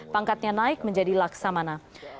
pangkatnya naik menjadi laksamana